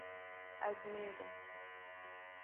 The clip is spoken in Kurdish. Ez mêr im.